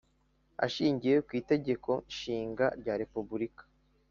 Ashingiye ku itegeko nshinga rya repuburika